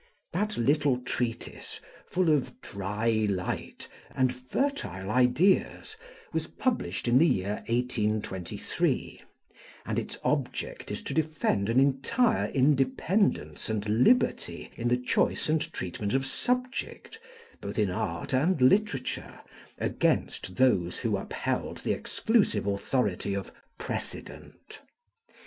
That little treatise, full of "dry light" and fertile ideas, was published in the year 1823, and its object is to defend an entire independence and liberty in the choice and treatment of subject, both in art and literature, against those who upheld the exclusive authority of precedent.